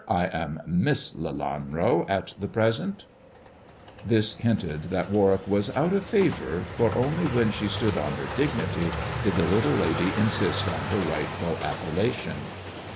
I am Miss Lelanro at present." THE dwarf's chamber 45 This hinted that Warwick was out of favoiir, for only when she stood on her dignity did the little lady insist on her rightful appellation.